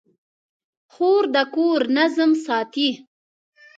خور د کور نظم ساتي.